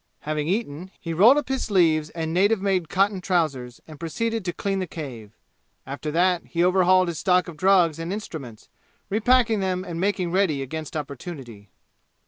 Having eaten, he rolled up his sleeves and native made cotton trousers and proceeded to clean the cave. After that he overhauled his stock of drugs and instruments, repacking them and making ready against opportunity.